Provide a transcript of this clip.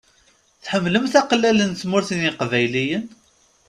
Tḥemmlemt aqellal n Tmurt n yeqbayliyen?